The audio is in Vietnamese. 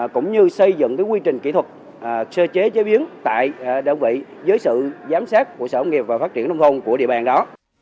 cũng như xây dựng quy trình kỹ thuật sơ chế chế biến tại đơn vị giới sự giám sát của sở nghệp và phát triển đông thôn của địa bàn đó